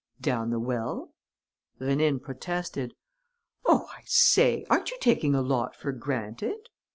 "Down the well." Rénine protested: "Oh, I say! Aren't you taking a lot for granted?"